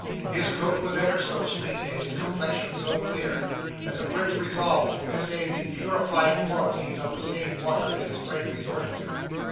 His coat was ever so sleek, and his complexion so clear, that the prince resolved to essay the purifying qualities of the same water that his friend resorted to.